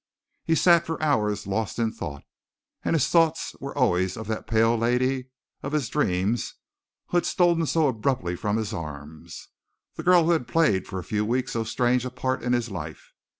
He sat for hours lost in thought, and his thoughts were always of that pale lady of his dreams who had stolen so abruptly from his arms, the girl who had played for a few weeks so strange a part in his life.